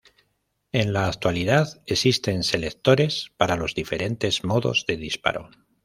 En la actualidad existen selectores para los diferentes modos de disparo.